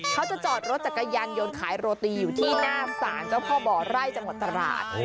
เขาจะจอดรถจักรยานยนต์ขายโรตีอยู่ที่หน้าศาลเจ้าพ่อบ่อไร่จังหวัดตราด